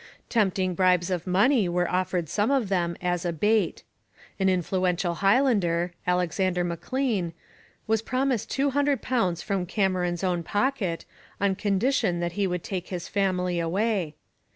Tempting bribes of money were offered some of them as a bait. An influential Highlander, Alexander M'Lean, was promised two hundred pounds from Cameron's own pocket, on condition that he would take his family away.